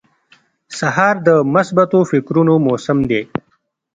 سهار د مثبتو فکرونو موسم دی.